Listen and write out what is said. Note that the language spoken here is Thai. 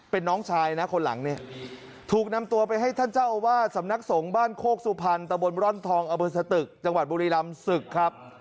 เป็นน้องชายนะคนหลังเนี่ยถูกนำตัวไปให้ท่านเจ้าอาวาสสำนักสงฆ์บ้านโคกสุพรรณตะบนร่อนทองอำเภอสตึกจังหวัดบุรีรำศึกครับ